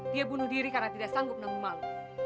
dia bunuh diri karena tidak sanggup nemu malu